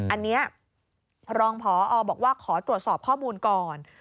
อันนี้รองพอบอกว่าขอตรวจสอบข้อมูลก่อน